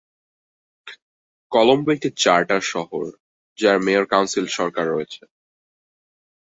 কলম্বো একটি চার্টার শহর, যার মেয়র-কাউন্সিল সরকার রয়েছে।